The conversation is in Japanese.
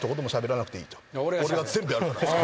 俺が全部やるから。